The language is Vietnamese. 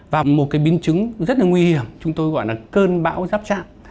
và một biến chứng rất nguy hiểm chúng tôi gọi là cơn bão giáp trạng